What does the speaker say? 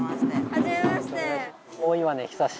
はじめまして。